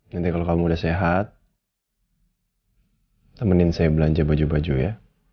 nanti kalau kamu udah sehat temenin saya belanja baju baju ya